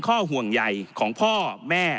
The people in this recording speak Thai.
ข้อห่วงใหญ่ของพ่อแม่